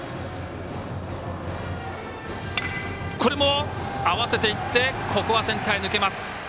これは合わせていってここはセンターに抜けます。